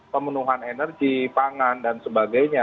pemenuhan energi pangan dan sebagainya